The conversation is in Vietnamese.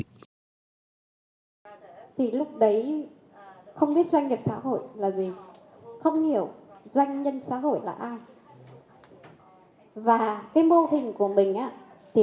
thì lúc đấy không biết doanh nghiệp xã hội là gì không hiểu doanh nhân xã hội là ai